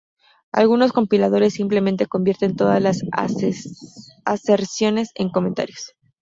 Algunos compiladores simplemente convierten todas las aserciones en comentarios.